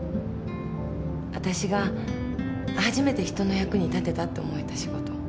わたしが初めて人の役に立てたって思えた仕事。